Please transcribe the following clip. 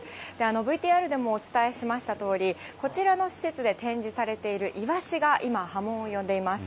ＶＴＲでもお伝えしましたとおり、こちらの施設で展示されているイワシが今、波紋を呼んでいます。